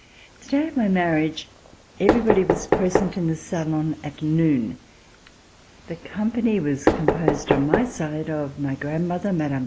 The day of my marriage everybody was present In the salon at noon. The company was composed, on my side, of my grandmother, Mme.